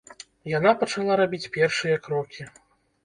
Яна пачала рабіць першыя крокі.